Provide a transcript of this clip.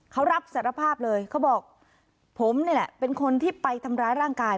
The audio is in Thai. เขารับสารภาพเลยเขาบอกผมนี่แหละเป็นคนที่ไปทำร้ายร่างกาย